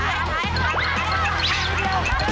อย่าอย่า